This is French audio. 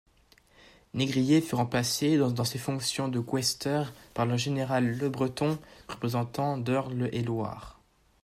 Négrier fut remplacé, dans ses fonctions de questeur par le général Lebreton, représentant d'Eure-et-Loir.